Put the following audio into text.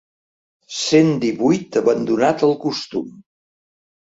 Cent divuit abandonat el costum.